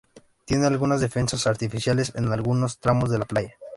Tiene algunas defensas artificiales en algunos tramos de la playa.